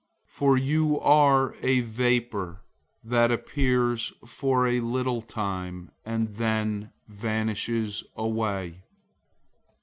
For you are a vapor, that appears for a little time, and then vanishes away.